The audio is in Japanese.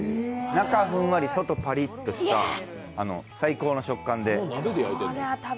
中はふんわり、外はパリッとした最高の食感で。